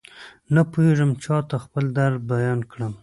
نپوهېږم چاته خپل درد بيان کړم.